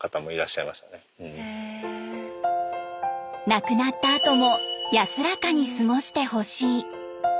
亡くなったあとも安らかに過ごしてほしい。